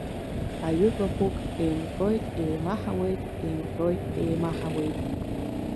Аҩы-бахәык еимҟьоит, еимаҳауеит, еимҟьоит, еимаҳауеит.